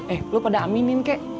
eh lu pada aminin kek